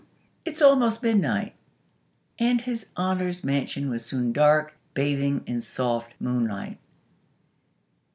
It's almost midnight." And His Honor's mansion was soon dark; bathing in soft moonlight.